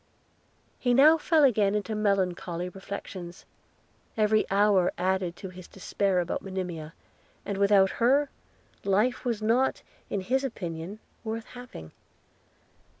He now fell again into melancholy reflections: every hour added to his dispair about Monimia, and without her, life was not in his opinion worth having.